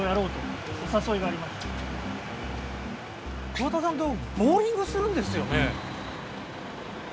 桑田さんとボウリングするんですよね？